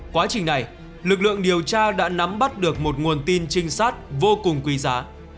quá trình này lực lượng điều tra đã nắm bắt được một nguồn tin trinh sát vô cùng quý giá